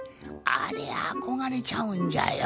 あれあこがれちゃうんじゃよ。